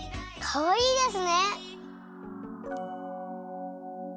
かわいいですね！